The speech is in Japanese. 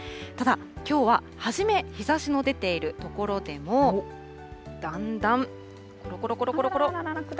ただ、きょうは、初め日ざしの出ている所でも、だんだんころころころころ。